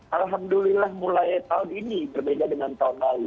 alhamdulillah mulai tahun ini berbeda dengan tahun lalu